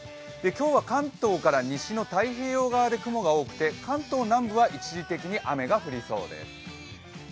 今日は関東から西の太平洋側で雲が多くて関東南部は一時的に雨が降りそうです。